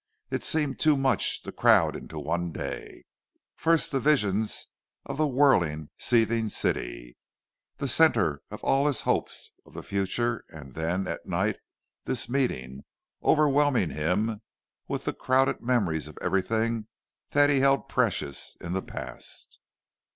It seemed too much to crowd into one day first the vision of the whirling, seething city, the centre of all his hopes of the future; and then, at night, this meeting, overwhelming him with the crowded memories of everything that he held precious in the past.